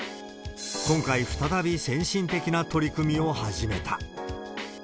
今回、再び先進的な取り組みを始めた。